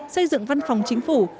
xây dựng văn phòng chính phủ